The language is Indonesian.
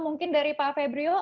mungkin dari pak febrio